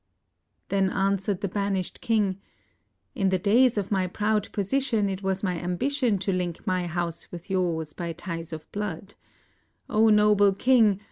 Then answered the banished king, "In the days of my proud position it was my ambition to Hnk my house with yours by ties of blood, O noble king!